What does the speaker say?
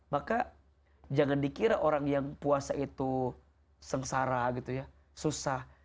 maka jangan dikira orang yang puasa itu sengsara gitu ya susah